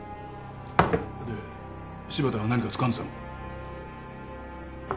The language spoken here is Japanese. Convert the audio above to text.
で柴田は何かつかんでたのか？